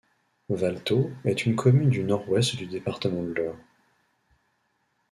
Valletot est une commune du Nord-Ouest du département de l'Eure.